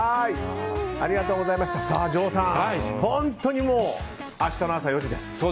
城さん、本当に明日の朝４時です。